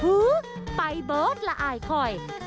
ไปเบิร์ตละอายคอย